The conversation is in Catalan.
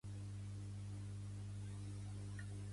Com és que Bella se sent atreta per Edward?